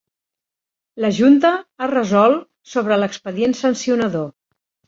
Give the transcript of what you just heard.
La junta ha resolt sobre l'expedient sancionador.